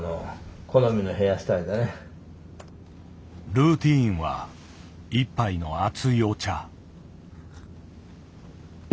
ルーティーンは一杯の熱いお茶。